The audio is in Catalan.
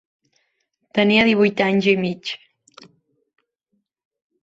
Tenia divuit anys i mig.